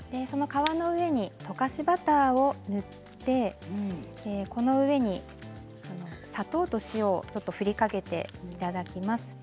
溶かしバターを塗ってこの上に砂糖と塩を振りかけていただきます。